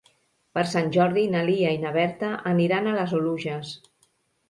Per Sant Jordi na Lia i na Berta aniran a les Oluges.